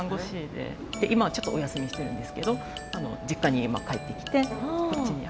で今はちょっとお休みしてるんですけど実家に今帰ってきてこっちに。